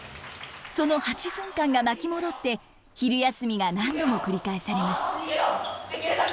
その８分間が巻き戻って昼休みが何度も繰り返されます。